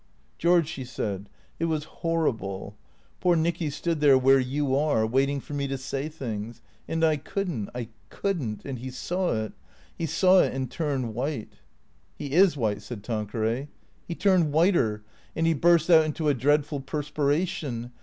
" George,'' she said, " it was horrible. Poor Nicky stood there where you are, waiting for me to say things. And I could n't, I could n't, and he saw it. He saw it and turned white "" He is white," said Tanqueray. " He turned whiter. And he burst out into a dreadful per spiration.